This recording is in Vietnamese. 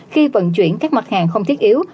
khi vận chuyển các mặt hàng không thiết yếu